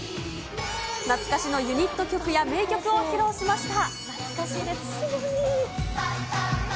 懐かしのユニット曲や名曲を披露しました。